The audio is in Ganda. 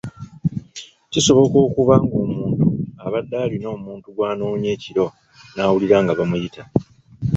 Kisoboka okuba ng’omuntu abadde alina omuntu gw’anoonya ekiro n’awulira nga bamuyita.